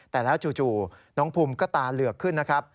แต่แล้วจู่น้องภูมิก็ตาเหลือกขึ้นนะครับ